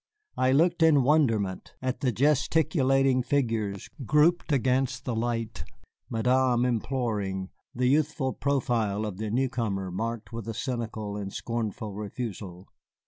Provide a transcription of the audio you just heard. I looked in wonderment at the gesticulating figures grouped against the light, Madame imploring, the youthful profile of the newcomer marked with a cynical and scornful refusal.